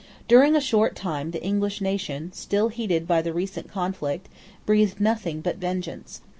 During a short time the English nation, still heated by the recent conflict, breathed nothing but vengeance.